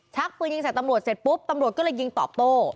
ปืนยิงใส่ตำรวจเสร็จปุ๊บตำรวจก็เลยยิงตอบโต้